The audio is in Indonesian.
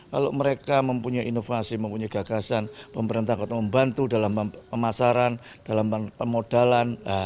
kalau mereka mempunyai inovasi mempunyai gagasan pemerintah akan membantu dalam pemasaran dalam pemodalan